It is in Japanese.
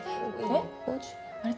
えっ？